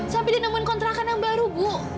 sampai dinemukan kontrakan yang baru bu